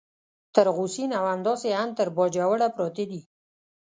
تر غو سین او همداسې ان تر باجوړه پراته دي.